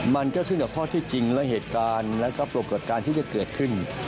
มันก็ขึ้นกับข้อที่จริงและเหตุการณ์และปรากฏการณ์ที่จะเกิดขึ้น